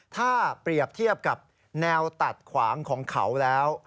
ถ้าเปรียบเทียบกับแนวตัดขวางของเขาแล้ว